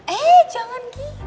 eh jangan gitu